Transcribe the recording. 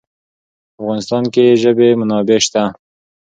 په افغانستان کې د ژبې منابع شته.